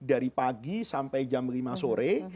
dari pagi sampai jam lima sore